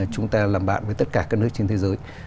chúng ta làm bạn với tất cả các nước trên thế giới